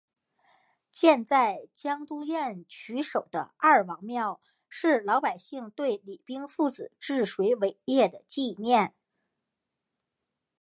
建在都江堰渠首的二王庙是老百姓对李冰父子治水伟业的纪念。